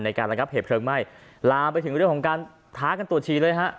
ในการระงับเหตุเพลิงไหม้ลามไปถึงเรื่องของการท้ากันตรวจฉี่เลยฮะ